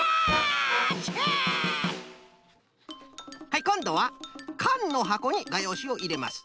はいこんどはかんのはこにがようしをいれます。